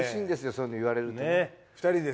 そういうの言われると。